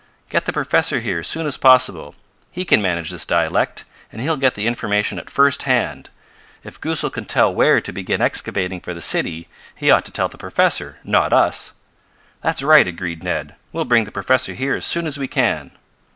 "Get the professor here as soon as possible. He can manage this dialect, and he'll get the information at first hand. If Goosal can tell where to begin excavating for the city he ought to tell the professor, not us." "That's right," agreed Ned. "We'll bring the professor here as soon as we can."